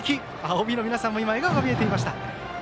ＯＢの皆さんも笑顔が見えていました。